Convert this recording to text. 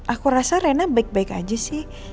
aku rasa rena baik baik aja sih